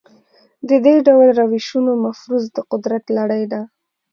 د دې ډول روشونو مفروض د قدرت لړۍ ده.